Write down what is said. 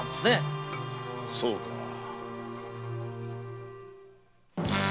そうか。